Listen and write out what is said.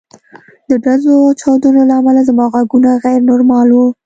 د ډزو او چاودنو له امله زما غوږونه غیر نورمال وو